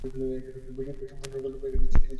বৈচিত্র্য সম্পূর্ণরূপে চলিয়া গেলে সৃষ্টিও লোপ পাইবে।